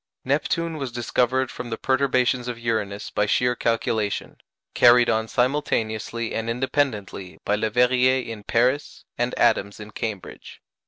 Neptune was discovered from the perturbations of Uranus by sheer calculation, carried on simultaneously and independently by Leverrier in Paris, and Adams in Cambridge.